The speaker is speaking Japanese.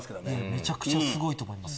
めちゃくちゃすごいと思います。